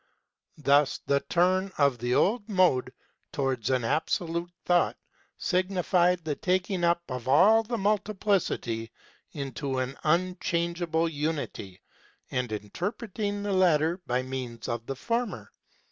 Thus the turn of the old mode towards an Absolute Thought signified the taking up of all the multiplicity into an unchangeable unity, and interpreting the latter by means of the former.